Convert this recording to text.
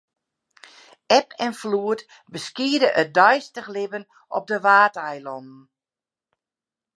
Eb en floed beskiede it deistich libben op de Waadeilannen.